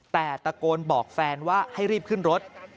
แต่ตะโกนบอกแฟนว่าให้รีบขึ้นรถ